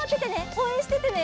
おうえんしててね！